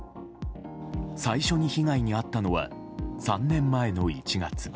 最初に被害に遭ったのは３年前の１月。